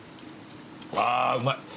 あうまい。